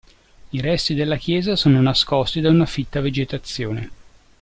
I resti della chiesa sono nascosti da una fitta vegetazione.